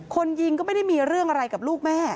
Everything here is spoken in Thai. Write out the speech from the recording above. คนยิงก็ไม่ได้มีเรื่องอะไรกับลูกแม่